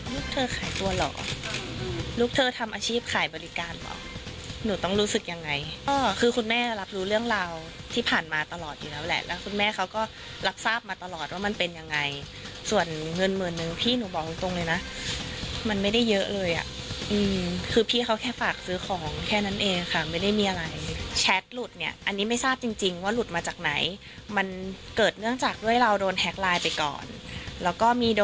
ลูกเธอขายตัวเหรอลูกเธอทำอาชีพขายบริการเหรอหนูต้องรู้สึกยังไงคือคุณแม่รับรู้เรื่องราวที่ผ่านมาตลอดอยู่แล้วแหละแล้วคุณแม่เขาก็รับทราบมาตลอดว่ามันเป็นยังไงส่วนเงินเหมือนหนึ่งพี่หนูบอกตรงเลยนะมันไม่ได้เยอะเลยอ่ะคือพี่เขาแค่ฝากซื้อของแค่นั้นเองค่ะไม่ได้มีอะไรแชทหลุดเนี่ยอันนี้